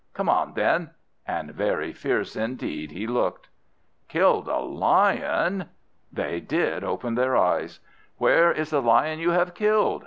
Come on, then!" and very fierce indeed he looked. Killed a Lion! They did open their eyes. "Where is the Lion you have killed?"